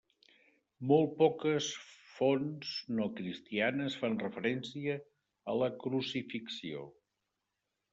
Molt poques fonts no cristianes fan referència a la crucifixió.